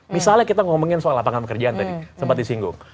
misalnya kita ngomongin soal lapangan pekerjaan tadi sempat disinggung